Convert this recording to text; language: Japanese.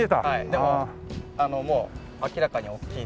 でももう明らかにおっきいんで。